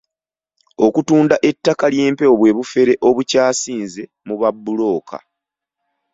Okutunda ettaka ly'empewo bwe bufere obukyasinze mu babbulooka.